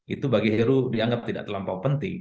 itu bagi heru dianggap tidak terlampau penting